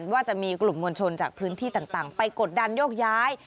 ว่าจะมีกลุ่มมวลชนจากพื้นที่ต่างไปกดดันโยกย้าย